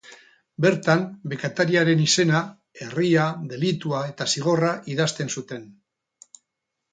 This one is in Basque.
Bertan, bekatariaren izena, herria, delitua eta zigorra idazten zuten.